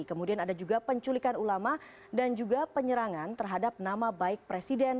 kemudian ada juga penculikan ulama dan juga penyerangan terhadap nama baik presiden